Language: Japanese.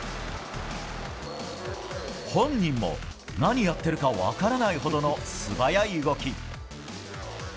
本人も何やってるか分からないほどの素早い動き。